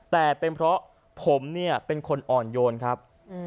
แต่เป็นเพราะผมเนี่ยเป็นคนอ่อนโยนครับ